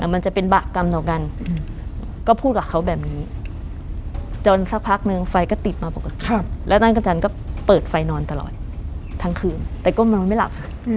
มันจะเป็นบะกรรมต่อกันก็พูดกับเขาแบบนี้จนสักพักนึงไฟก็ติดมาปกติแล้วท่านกระจันก็เปิดไฟนอนตลอดทั้งคืนแต่ก็นอนไม่หลับ